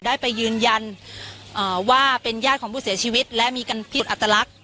ได้ไปยืนยันว่าเป็นญาติของผู้เสียชีวิตและมีการพิษอัตลักษณ์